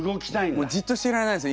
もうじっとしていられないんですよ